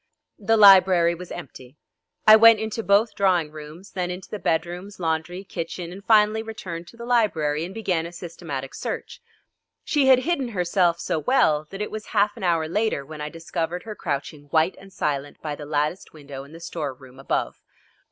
The library was empty. I went into both drawing rooms, then into the bedrooms, laundry, kitchen, and finally returned to the library and began a systematic search. She had hidden herself so well that it was half an hour later when I discovered her crouching white and silent by the latticed window in the store room above.